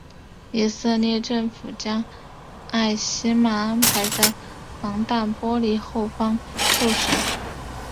以色列政府将艾希曼安排在防弹玻璃后方受审。